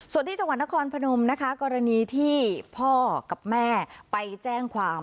ส่วนที่จังหวัดนครพนมนะคะกรณีที่พ่อกับแม่ไปแจ้งความ